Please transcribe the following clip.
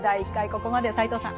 ここまで斎藤さん